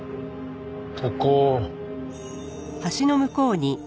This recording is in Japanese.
ここ。